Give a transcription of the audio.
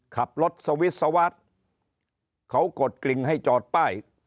ขับรถสวิสวาสเขากดกลิ่งให้จอดป้าย